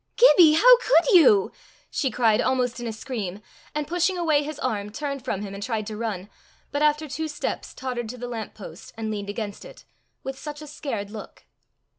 "Gibbie! how could you?" she cried almost in a scream, and pushing away his arm, turned from him and tried to run, but after two steps, tottered to the lamp post, and leaned against it with such a scared look!